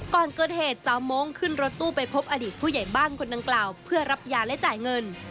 ก่อนเกิดเหตุสาวมงค์ขึ้นรถตู้ไปพบอดีตผู้ใหญ่บ้านคนดังกล่าวเพื่อรับยาและจ่ายเงิน